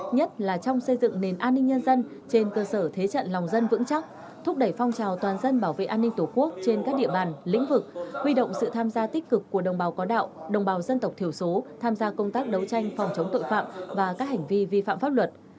nhất là trong xây dựng nền an ninh nhân dân trên cơ sở thế trận lòng dân vững chắc thúc đẩy phong trào toàn dân bảo vệ an ninh tổ quốc trên các địa bàn lĩnh vực huy động sự tham gia tích cực của đồng bào có đạo đồng bào dân tộc thiểu số tham gia công tác đấu tranh phòng chống tội phạm và các hành vi vi phạm pháp luật